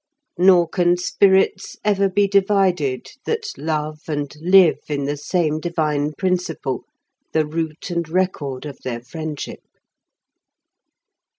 129. Nor can Spirits ever be divided that love and live in the same Divine Principle; the Root and Record of their Friendship.